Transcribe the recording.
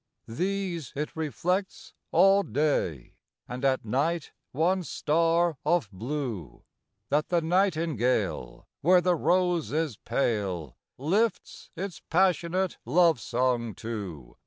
These it reflects all day, And at night one star of blue, That the nightingale, where the rose is pale, Lifts its passionate love song to.